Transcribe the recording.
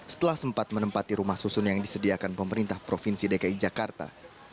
setelah sempat menempati rumah susun yang disediakan pemerintah provinsi dki jakarta